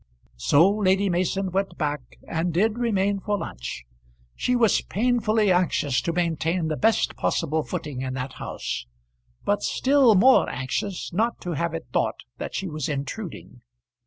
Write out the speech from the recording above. So Lady Mason went back and did remain for lunch. She was painfully anxious to maintain the best possible footing in that house, but still more anxious not to have it thought that she was intruding.